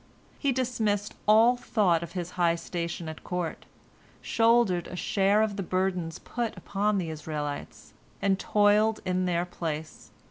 He dismissed all thought of his high station at court, shouldered a share of the burdens put upon the Israelites, and toiled in their place.